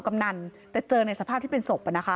แต่เจอในสภาพที่เป็นศพ